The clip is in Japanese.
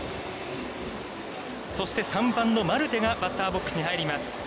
そして３番のマルテがバッターボックスに入ります。